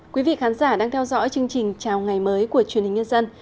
quý vị khán giả đang theo dõi chương trình chào ngày mới của truyền hình nhân dân